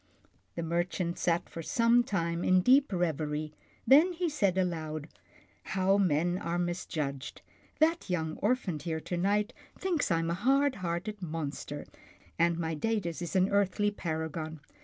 The merchant sat for some time in deep reverie, then he said aloud, " How men are misjudged. That young orphan here to night thinks I am a hard hearted monster, and my Datus is an earthly paragon.